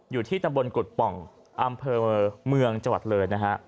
อยู่ที่ตำบลกุฎป่องอำเภอเมืองจังหวัดเลยนะฮะ